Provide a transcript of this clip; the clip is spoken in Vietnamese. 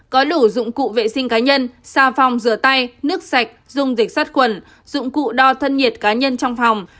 có đủ dụng cụ vệ sinh cá nhân xà phòng rửa tay nước sạch dùng dịch sát khuẩn dụng cụ đo thân nhiệt cá nhân trong phòng